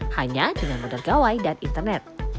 hanya dengan modal gawai dan internet